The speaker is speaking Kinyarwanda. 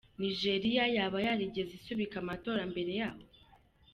Nigeria yaba yarigeze isubika amatora mbere yaho? .